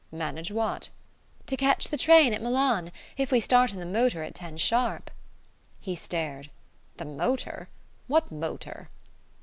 "Manage what?" "To catch the train at Milan if we start in the motor at ten sharp." He stared. "The motor? What motor?"